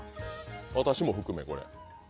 私も含めこれ。